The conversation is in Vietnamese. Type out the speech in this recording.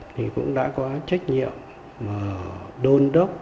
thì cũng đã có trách nhiệm đôn đốc